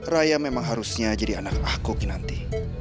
raya memang harusnya jadi anak aku kinanti